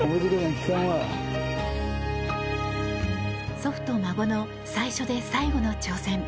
祖父と孫の最初で最後の挑戦。